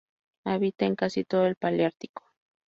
Habita en casi todo el paleártico.